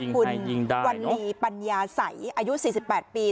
คุณวันลีปัญญาสัยอายุ๔๘ปี